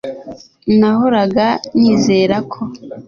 Nahoraga nizera ko